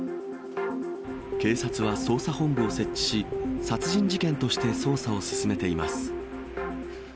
警察は捜査本部を設置し、殺人事件として捜査を進めています。